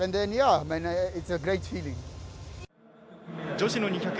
女子の２００